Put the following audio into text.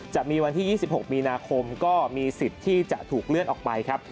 จะมีวันที่๒๖มีนาคมก็มีสิทธิ์ที่จะถูกเลื่อนออกไปครับ